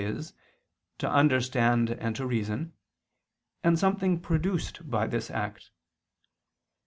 e. to understand and to reason, and something produced by this act.